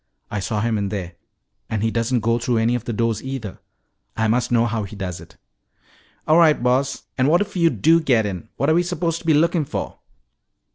I saw him in there. And he doesn't go through any of the doors, either. I must know how he does it." "All right, Boss. And what if you do get in? What are we supposed to be lookin' for?"